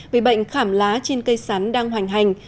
vì bệnh khảm lá trên cây sắn đang hoành hành